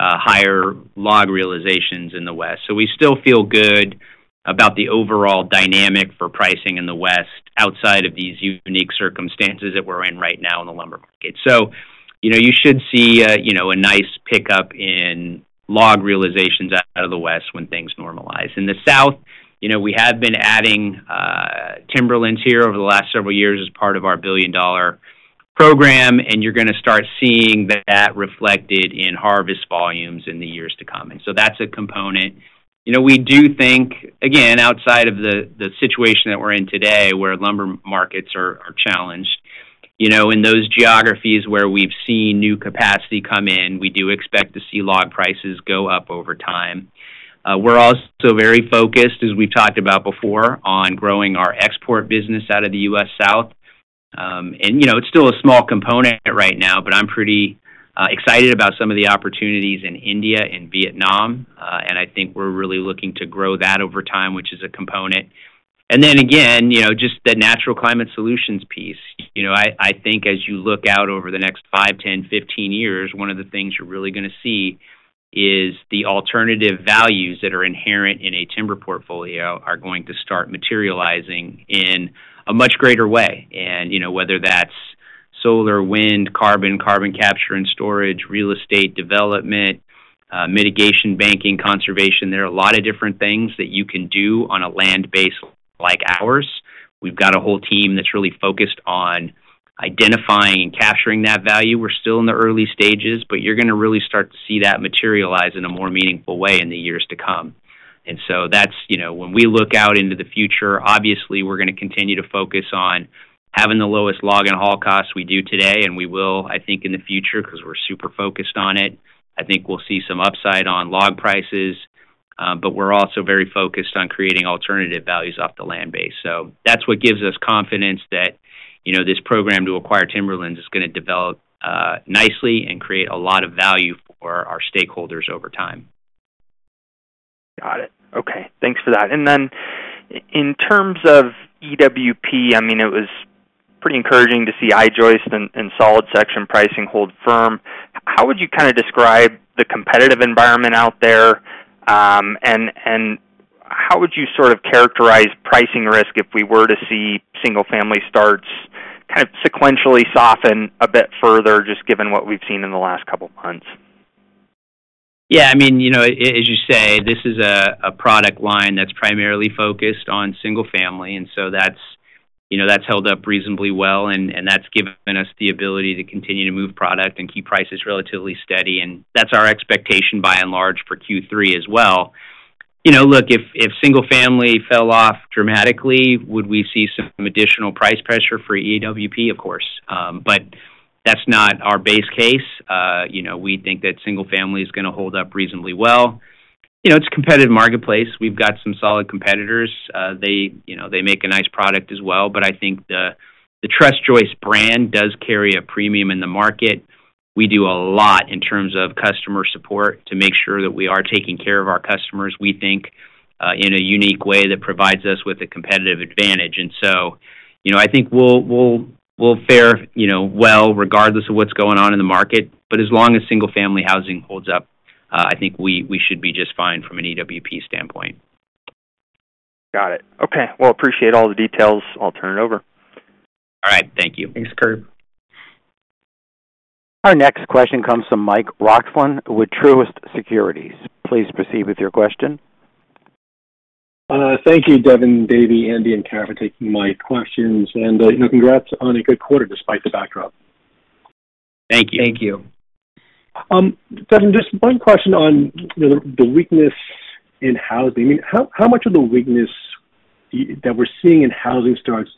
higher log realizations in the west. So we still feel good about the overall dynamic for pricing in the West outside of these unique circumstances that we're in right now in the lumber market. So you should see a nice pickup in log realizations out of the West when things normalize. In the South, we have been adding timberlands here over the last several years as part of our $1 billion program. And you're going to start seeing that reflected in harvest volumes in the years to come. And so that's a component. We do think, again, outside of the situation that we're in today where lumber markets are challenged, in those geographies where we've seen new capacity come in, we do expect to see log prices go up over time. We're also very focused, as we've talked about before, on growing our export business out of the U.S. South. It's still a small component right now, but I'm pretty excited about some of the opportunities in India and Vietnam. I think we're really looking to grow that over time, which is a component. Then, again, just the Natural Climate Solutions piece. I think as you look out over the next five, 10, 15 years, one of the things you're really going to see is the alternative values that are inherent in a timber portfolio are going to start materializing in a much greater way. Whether that's solar, wind, carbon, carbon capture and storage, real estate development, mitigation banking conservation, there are a lot of different things that you can do on a land base like ours. We've got a whole team that's really focused on identifying and capturing that value. We're still in the early stages, but you're going to really start to see that materialize in a more meaningful way in the years to come. So when we look out into the future, obviously, we're going to continue to focus on having the lowest log and haul costs we do today. And we will, I think, in the future, because we're super focused on it. I think we'll see some upside on log prices. But we're also very focused on creating alternative values off the land base. So that's what gives us confidence that this program to acquire timberlands is going to develop nicely and create a lot of value for our stakeholders over time. Got it. Okay. Thanks for that. And then in terms of EWP, I mean, it was pretty encouraging to see I-joist and solid section pricing hold firm. How would you kind of describe the competitive environment out there? And how would you sort of characterize pricing risk if we were to see single-family starts kind of sequentially soften a bit further, just given what we've seen in the last couple of months? Yeah. I mean, as you say, this is a product line that's primarily focused on single-family. And so that's held up reasonably well. And that's given us the ability to continue to move product and keep prices relatively steady. And that's our expectation by and large for Q3 as well. Look, if single-family fell off dramatically, would we see some additional price pressure for EWP? Of course. But that's not our base case. We think that single-family is going to hold up reasonably well. It's a competitive marketplace. We've got some solid competitors. They make a nice product as well. But I think the Trus Joist brand does carry a premium in the market. We do a lot in terms of customer support to make sure that we are taking care of our customers, we think, in a unique way that provides us with a competitive advantage. And so I think we'll fare well regardless of what's going on in the market. But as long as single-family housing holds up, I think we should be just fine from an EWP standpoint. Got it. Okay. Well, appreciate all the details. I'll turn it over. All right. Thank you. Thanks, Kurt. Our next question comes from Michael Roxland with Truist Securities. Please proceed with your question. Thank you, Devin, Davey, Andy, and Kara for taking my questions. And congrats on a good quarter despite the backdrop. Thank you. Thank you. Devin, just one question on the weakness in housing. I mean, how much of the weakness that we're seeing in housing starts,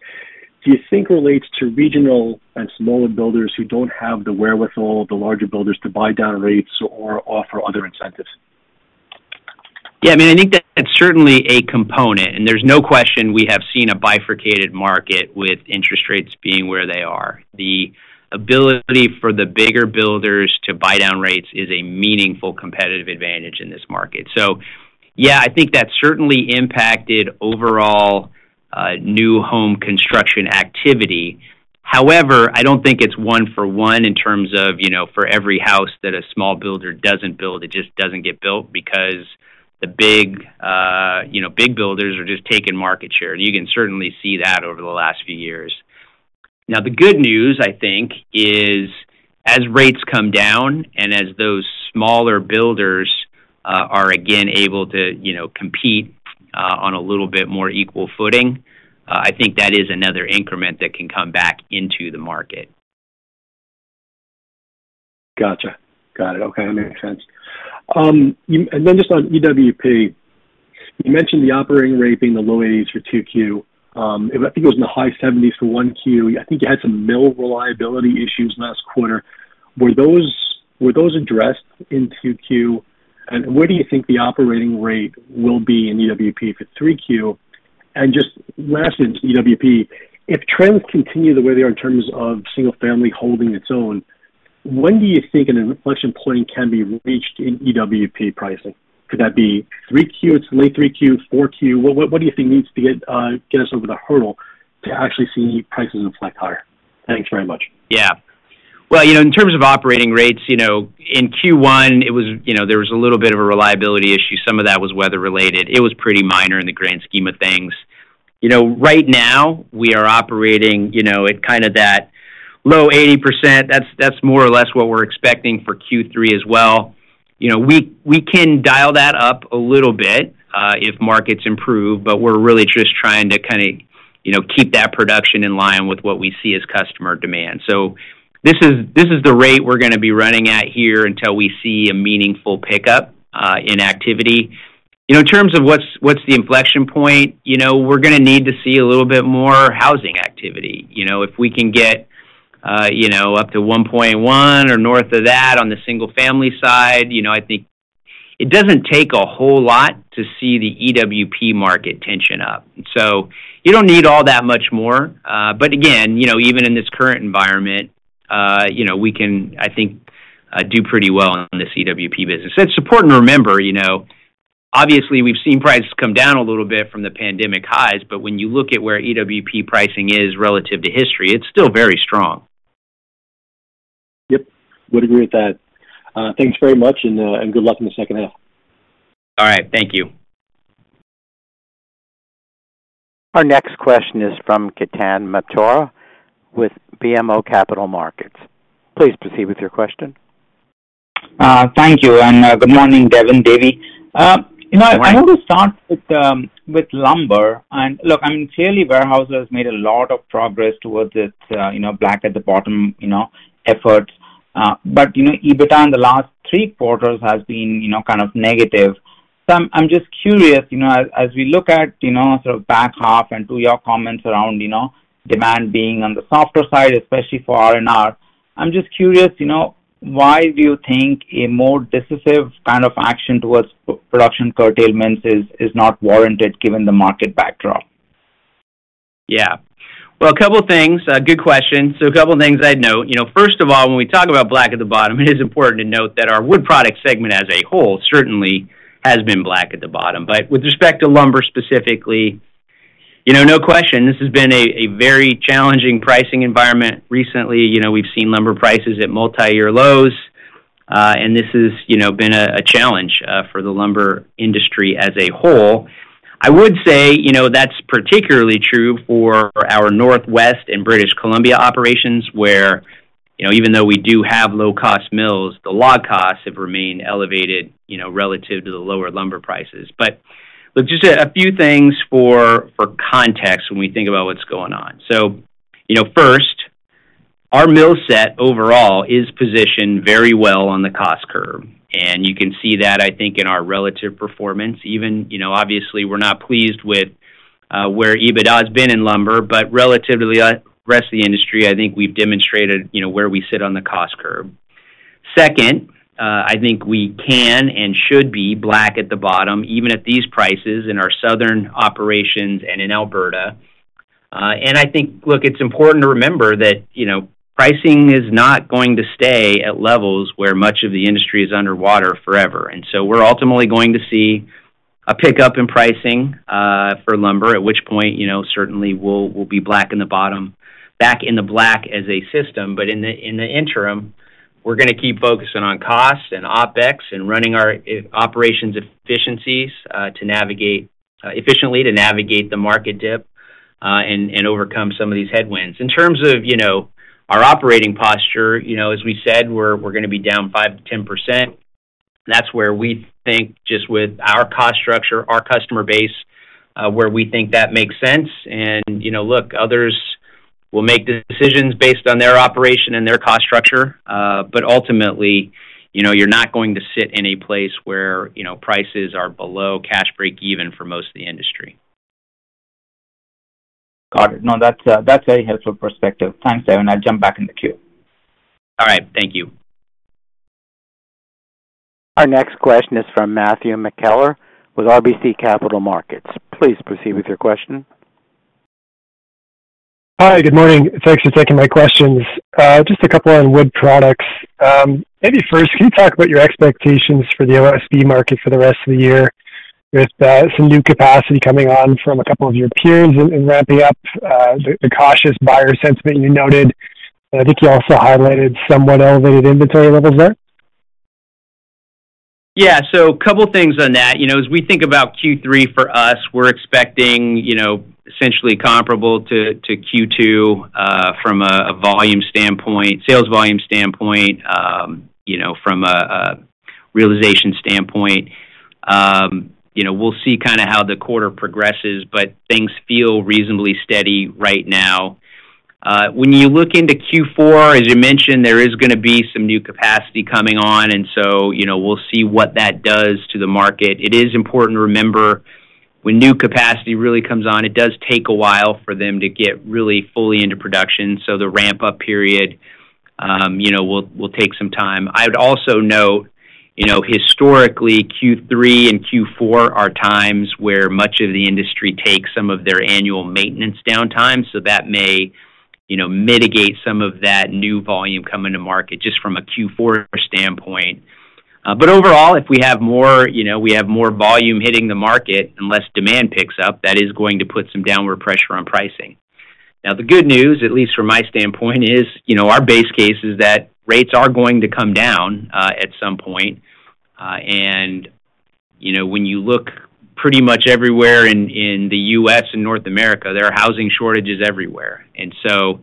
do you think relates to regional and smaller builders who don't have the wherewithal, the larger builders to buy down rates or offer other incentives? Yeah. I mean, I think that's certainly a component. There's no question we have seen a bifurcated market with interest rates being where they are. The ability for the bigger builders to buy down rates is a meaningful competitive advantage in this market. So yeah, I think that certainly impacted overall new home construction activity. However, I don't think it's one-for-one in terms of for every house that a small builder doesn't build, it just doesn't get built because the big builders are just taking market share. You can certainly see that over the last few years. Now, the good news, I think, is as rates come down and as those smaller builders are again able to compete on a little bit more equal footing, I think that is another increment that can come back into the market. Gotcha. Got it. Okay. That makes sense. And then just on EWP, you mentioned the operating rate being the low 80s for Q2. I think it was in the high 70s for Q1. I think you had some mill reliability issues last quarter. Were those addressed in Q2? And where do you think the operating rate will be in EWP for Q3? And just lastly, EWP, if trends continue the way they are in terms of single-family holding its own, when do you think an inflection point can be reached in EWP pricing? Could that be Q3, it's late Q3, Q4? What do you think needs to get us over the hurdle to actually see prices inflect higher? Thanks very much. Yeah. Well, in terms of operating rates, in Q1, there was a little bit of a reliability issue. Some of that was weather-related. It was pretty minor in the grand scheme of things. Right now, we are operating at kind of that low 80%. That's more or less what we're expecting for Q3 as well. We can dial that up a little bit if markets improve, but we're really just trying to kind of keep that production in line with what we see as customer demand. So this is the rate we're going to be running at here until we see a meaningful pickup in activity. In terms of what's the inflection point, we're going to need to see a little bit more housing activity. If we can get up to 1.1 or North of that on the single-family side, I think it doesn't take a whole lot to see the EWP market tension up. So you don't need all that much more. But again, even in this current environment, we can, I think, do pretty well on this EWP business. It's important to remember, obviously, we've seen prices come down a little bit from the pandemic highs. But when you look at where EWP pricing is relative to history, it's still very strong. Yep. Would agree with that. Thanks very much. And good luck in the second half. All right. Thank you. Our next question is from Ketan Mamtora with BMO Capital Markets. Please proceed with your question. Thank you. And good morning, Devin, Davey. I want to start with lumber. And look, I mean, clearly, Weyerhaeuser has made a lot of progress towards its Black at the Bottom efforts. But EBITDA in the last three quarters has been kind of negative. So I'm just curious, as we look at sort of back half and to your comments around demand being on the softer side, especially for R&R, I'm just curious, why do you think a more decisive kind of action towards production curtailments is not warranted given the market backdrop? Yeah. Well, a couple of things. Good question. So a couple of things I'd note. First of all, when we talk about Black at the Bottom, it is important to note that our wood product segment as a whole certainly has been Black at the Bottom. But with respect to lumber specifically, no question, this has been a very challenging pricing environment recently. We've seen lumber prices at multi-year lows. This has been a challenge for the lumber industry as a whole. I would say that's particularly true for our Northwest and British Columbia operations where, even though we do have low-cost mills, the log costs have remained elevated relative to the lower lumber prices. Look, just a few things for context when we think about what's going on. First, our mill set overall is positioned very well on the cost curve. You can see that, I think, in our relative performance. Obviously, we're not pleased with where EBITDA has been in lumber. Relative to the rest of the industry, I think we've demonstrated where we sit on the cost curve. Second, I think we can and should be Black at the Bottom, even at these prices in our Southern operations and in Alberta. I think, look, it's important to remember that pricing is not going to stay at levels where much of the industry is underwater forever. So we're ultimately going to see a pickup in pricing for lumber, at which point certainly we'll be Black at the Bottom, back in the black as a system. But in the interim, we're going to keep focusing on cost and OpEx and running our operations efficiencies efficiently to navigate the market dip and overcome some of these headwinds. In terms of our operating posture, as we said, we're going to be down 5% to 10%. That's where we think, just with our cost structure, our customer base, where we think that makes sense. Look, others will make decisions based on their operation and their cost structure. But ultimately, you're not going to sit in a place where prices are below cash break even for most of the industry. Got it. No, that's a very helpful perspective. Thanks, Devin. I'll jump back in the queue. All right. Thank you. Our next question is from Matthew McKellar with RBC Capital Markets. Please proceed with your question. Hi. Good morning. Thanks for taking my questions. Just a couple on Wood Products. Maybe first, can you talk about your expectations for the OSB market for the rest of the year with some new capacity coming on from a couple of your peers and ramping up the cautious buyer sentiment you noted? And I think you also highlighted somewhat elevated inventory levels there. Yeah. So a couple of things on that. As we think about Q3 for us, we're expecting essentially comparable to Q2 from a volume standpoint, sales volume standpoint, from a realization standpoint. We'll see kind of how the quarter progresses. But things feel reasonably steady right now. When you look into Q4, as you mentioned, there is going to be some new capacity coming on. And so we'll see what that does to the market. It is important to remember, when new capacity really comes on, it does take a while for them to get really fully into production. So the ramp-up period will take some time. I would also note, historically, Q3 and Q4 are times where much of the industry takes some of their annual maintenance downtime. So that may mitigate some of that new volume coming to market just from a Q4 standpoint. But overall, if we have more volume hitting the market and less demand picks up, that is going to put some downward pressure on pricing. Now, the good news, at least from my standpoint, is our base case is that rates are going to come down at some point. And when you look pretty much everywhere in the U.S. and North America, there are housing shortages everywhere. And so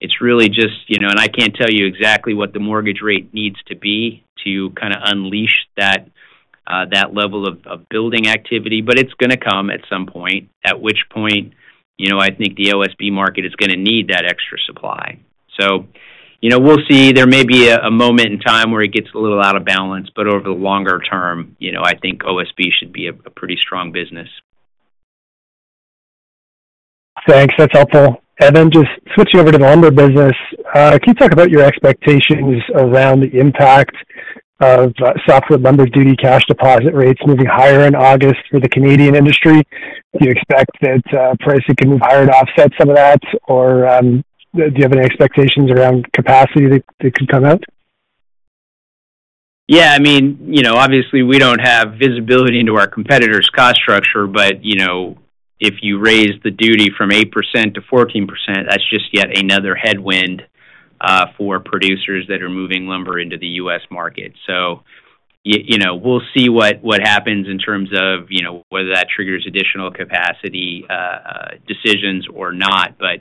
it's really just, and I can't tell you exactly what the mortgage rate needs to be to kind of unleash that level of building activity. But it's going to come at some point, at which point I think the OSB market is going to need that extra supply. So we'll see. There may be a moment in time where it gets a little out of balance. But over the longer term, I think OSB should be a pretty strong business. Thanks. That's helpful. Then just switching over to the lumber business, can you talk about your expectations around the impact of softwood lumber duty cash deposit rates moving higher in August for the Canadian industry? Do you expect that pricing can move higher to offset some of that? Or do you have any expectations around capacity that could come out? Yeah. I mean, obviously, we don't have visibility into our competitors' cost structure. But if you raise the duty from 8% to 14%, that's just yet another headwind for producers that are moving lumber into the U.S. market. So we'll see what happens in terms of whether that triggers additional capacity decisions or not. But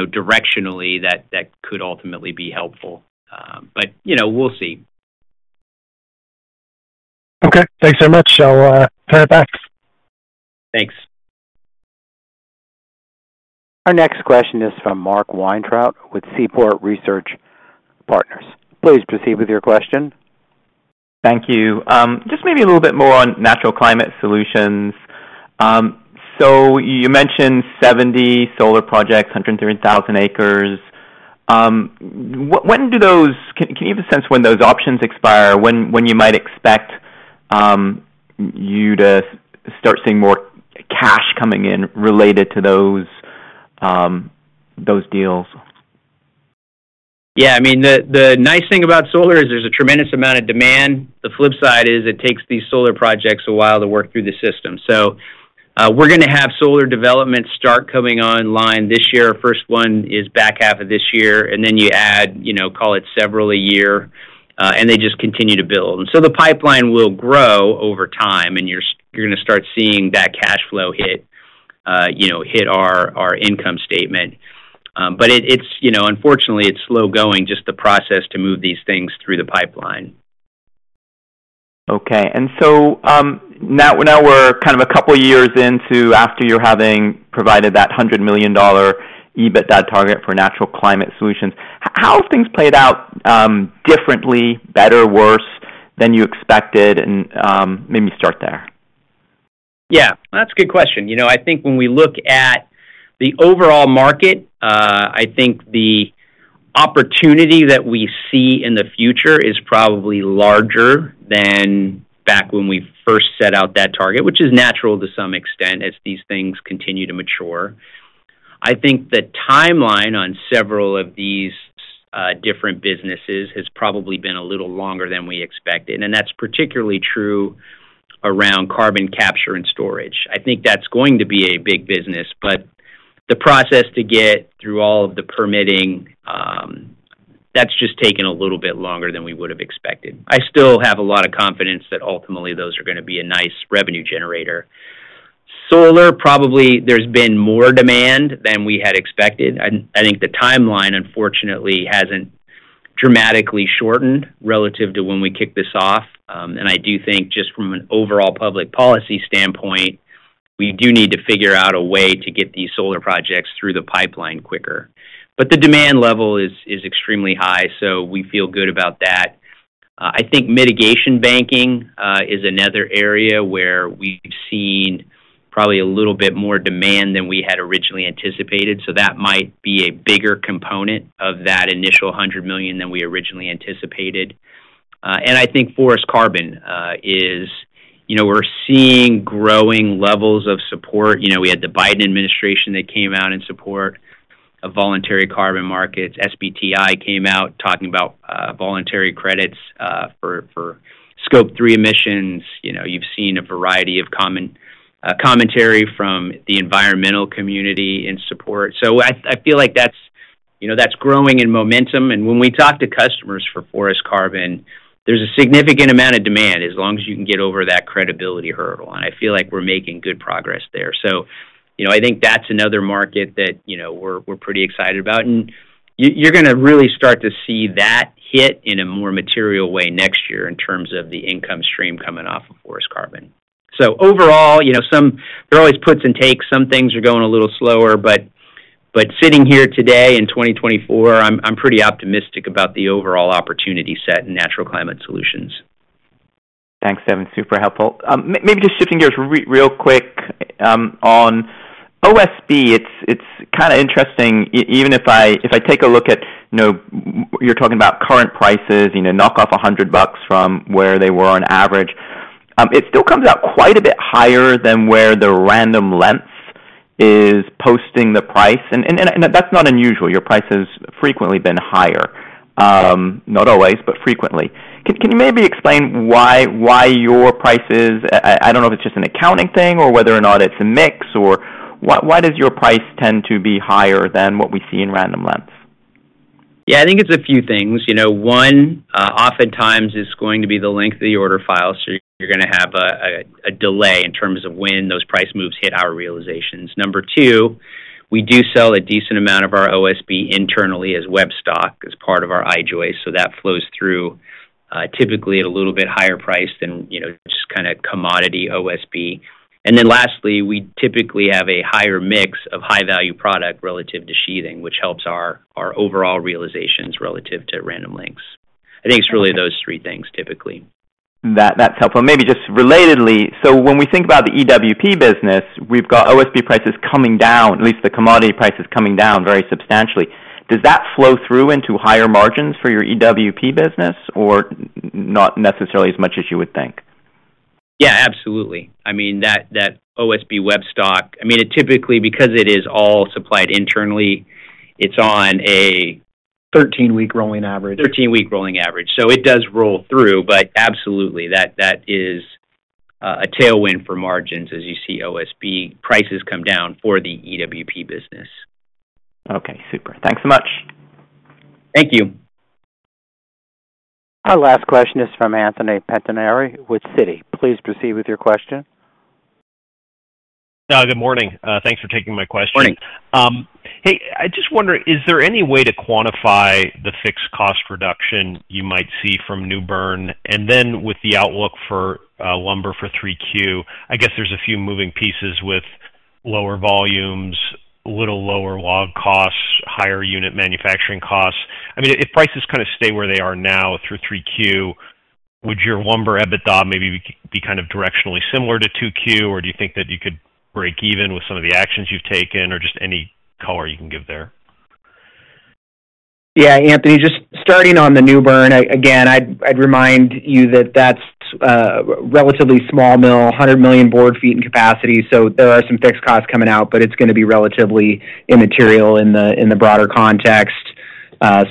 directionally, that could ultimately be helpful. But we'll see. Okay. Thanks very much. I'll turn it back. Thanks. Our next question is from Mark Weintraub with Seaport Research Partners. Please proceed with your question. Thank you. Just maybe a little bit more on Natural Climate Solutions. So you mentioned 70 solar projects, 130,000 acres. Can you have a sense when those options expire, when you might expect you to start seeing more cash coming in related to those deals? Yeah. I mean, the nice thing about solar is there's a tremendous amount of demand. The flip side is it takes these solar projects a while to work through the system. So we're going to have solar developments start coming online this year. First one is back half of this year. And then you add, call it several a year. And they just continue to build. And so the pipeline will grow over time. And you're going to start seeing that cash flow hit our income statement. But unfortunately, it's slow going, just the process to move these things through the pipeline. Okay. And so now we're kind of a couple of years into after you're having provided that $100 million EBITDA target for Natural Climate Solutions. How have things played out differently, better, worse than you expected? And maybe start there. Yeah. That's a good question. I think when we look at the overall market, I think the opportunity that we see in the future is probably larger than back when we first set out that target, which is natural to some extent as these things continue to mature. I think the timeline on several of these different businesses has probably been a little longer than we expected. And that's particularly true around carbon capture and storage. I think that's going to be a big business. But the process to get through all of the permitting, that's just taken a little bit longer than we would have expected. I still have a lot of confidence that ultimately those are going to be a nice revenue generator. Solar, probably there's been more demand than we had expected. I think the timeline, unfortunately, hasn't dramatically shortened relative to when we kicked this off. And I do think just from an overall public policy standpoint, we do need to figure out a way to get these solar projects through the pipeline quicker. But the demand level is extremely high. So we feel good about that. I think mitigation banking is another area where we've seen probably a little bit more demand than we had originally anticipated. So that might be a bigger component of that initial $100 million than we originally anticipated. And I think forest carbon is we're seeing growing levels of support. We had the Biden administration that came out in support of voluntary carbon markets. SBTi came out talking about voluntary credits for Scope 3 emissions. You've seen a variety of commentary from the environmental community in support. So I feel like that's growing in momentum. And when we talk to customers for forest carbon, there's a significant amount of demand as long as you can get over that credibility hurdle. And I feel like we're making good progress there. So I think that's another market that we're pretty excited about. And you're going to really start to see that hit in a more material way next year in terms of the income stream coming off of forest carbon. So overall, there are always puts and takes. Some things are going a little slower. But sitting here today in 2024, I'm pretty optimistic about the overall opportunity set in Natural Climate Solutions. Thanks, Devin. Super helpful. Maybe just shifting gears real quick on OSB. It's kind of interesting. Even if I take a look at you're talking about current prices, knock off $100 from where they were on average, it still comes out quite a bit higher than where the Random Lengths is posting the price. And that's not unusual. Your price has frequently been higher. Not always, but frequently. Can you maybe explain why your prices—I don't know if it's just an accounting thing or whether or not it's a mix—or why does your price tend to be higher than what we see in Random Lengths? Yeah. I think it's a few things. One, oftentimes, it's going to be the length of the order file. So you're going to have a delay in terms of when those price moves hit our realizations. Number two, we do sell a decent amount of our OSB internally as web stock as part of our I-joist. So that flows through typically at a little bit higher price than just kind of commodity OSB. And then lastly, we typically have a higher mix of high-value product relative to sheathing, which helps our overall realizations relative to Random Lengths. I think it's really those three things typically. That's helpful. And maybe just relatedly, so when we think about the EWP business, we've got OSB prices coming down, at least the commodity prices coming down very substantially. Does that flow through into higher margins for your EWP business or not necessarily as much as you would think? Yeah. Absolutely. I mean, that OSB web stock, I mean, typically, because it is all supplied internally, it's on a 13-week rolling average. 13-week rolling average. So it does roll through. But absolutely, that is a tailwind for margins as you see OSB prices come down for the EWP business. Okay. Super. Thanks so much. Thank you. Our last question is from Anthony Pettinari, with Citi. Please proceed with your question. Good morning. Thanks for taking my question. Hey, I just wonder, is there any way to quantify the fixed cost reduction you might see from New Bern? And then with the outlook for lumber for Q3, I guess there's a few moving pieces with lower volumes, a little lower log costs, higher unit manufacturing costs. I mean, if prices kind of stay where they are now through Q3, would your lumber EBITDA maybe be kind of directionally similar to Q2? Or do you think that you could break even with some of the actions you've taken or just any color you can give there? Yeah. Anthony, just starting on the New Bern, again, I'd remind you that that's relatively small mill, 100 million board feet in capacity. So there are some fixed costs coming out. But it's going to be relatively immaterial in the broader context.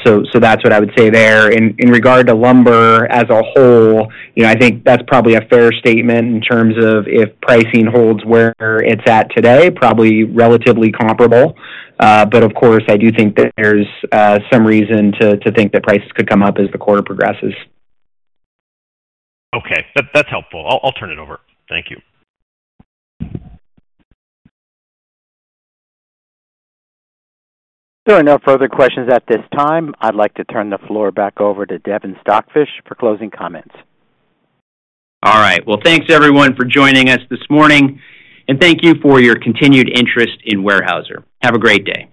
So that's what I would say there. In regard to lumber as a whole, I think that's probably a fair statement in terms of if pricing holds where it's at today, probably relatively comparable. But of course, I do think that there's some reason to think that prices could come up as the quarter progresses. Okay. That's helpful. I'll turn it over. Thank you. There are no further questions at this time. I'd like to turn the floor back over to Devin Stockfish for closing comments. All right. Well, thanks everyone for joining us this morning. And thank you for your continued interest in Weyerhaeuser. Have a great day.